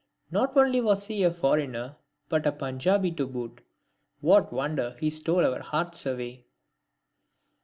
Not only was he a foreigner, but a Panjabi to boot, what wonder he stole our hearts away?